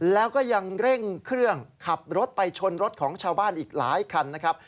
แล้วก็ยังเร่งเครื่องขับรถไปชนรถของชาวบ้านอีกหลายคันนะครับ